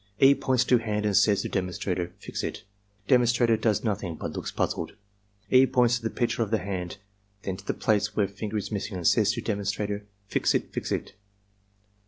E. points to hand and says to demonstrator, "Fix it." Demonstrator does nothing, but looks puzzled. E. points to the picture of the hand, then to the place where finger is missing and says to demonstrator, "Fix it; Fix it."